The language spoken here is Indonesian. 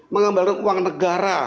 mengembalikan uang negara